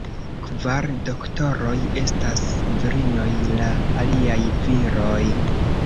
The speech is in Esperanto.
Kvar Doktoroj estas virinoj, la aliaj viroj.